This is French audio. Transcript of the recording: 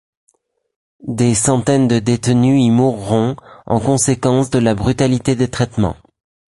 Des centaines de détenus y mourront en conséquence de la brutalité des traitements.